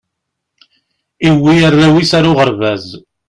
iwwi arraw is ar uɣerbaz